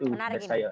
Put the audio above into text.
mungkin itu dari saya